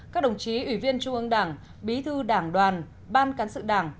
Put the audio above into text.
các đồng chí ủy viên trung ương đảng bí thư đảng đoàn ban cán sự đảng